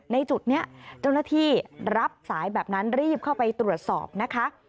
ในจุดนี้เจ้าหน้าที่รับสายแบบนั้นรีบเข้าไปตรวจสอบนะคะ